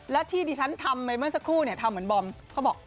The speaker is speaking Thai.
และที่ดิฉันทำไปเมื่อสักครู่เนี่ยทำเหมือนบอมเขาบอก